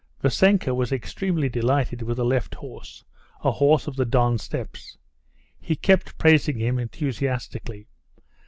Vassenka was extremely delighted with the left horse, a horse of the Don Steppes. He kept praising him enthusiastically.